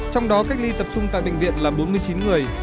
trong đó cách ly tập trung tại bệnh viện là bốn mươi chín người